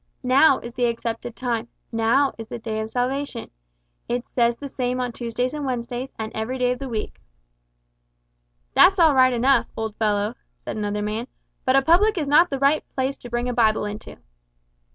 `_Now_ is the accepted time, now is the day of salvation.' It says the same on Tuesdays and Wednesdays, and every day of the week." "That's all right enough, old fellow," said another man, "but a public is not the right place to bring a Bible into."